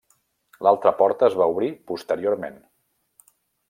L'altra porta es va obrir posteriorment.